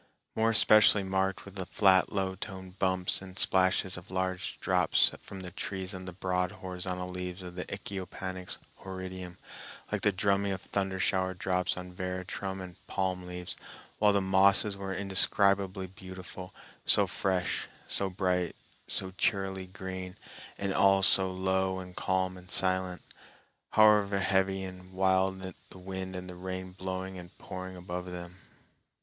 More especially marked were the flat low toned bumps and splashes of large drops from the trees on the broad horizontal leaves of Echinopanax horridum, like the drumming of thundershower drops on veratrum and palm leaves, while the mosses were indescribably beautiful, so fresh, so bright, so cheerily green, and all so low and calm and silent, however heavy and wild the wind and the rain blowing and pouring above them.